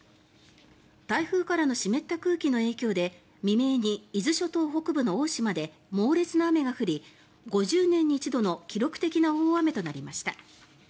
台風からの湿った空気の影響で未明に伊豆諸島北部の大島で猛烈な雨が降り５０年に一度の記録的な大雨となりました。